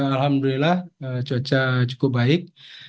alhamdulillah cuaca cukup baik